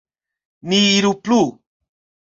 Ni iru plu.